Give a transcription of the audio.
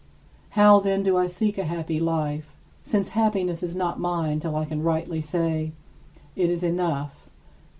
How, then, do I seek a happy life, since happiness is not mine till I can rightly say: "It is enough.